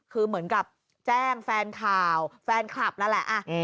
คือเหมือนกับแจ้งแฟนข่าวแฟนคลับนั่นแหละ